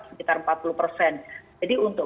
sekitar empat puluh persen jadi untuk